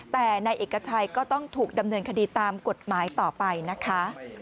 แต่นายเอกชัยก็ต้องถูกดำเนินคดีตามกฎหมายต่อไปนะคะ